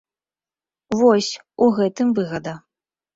Вось, у гэтым выгада.